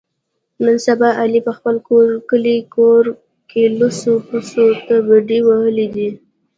نن سبا علي په خپل کلي کور کې لوڅو پوڅو ته بډې وهلې دي.